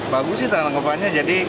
bagus sih tangan kopanya